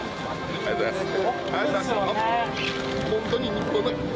ありがとうございます。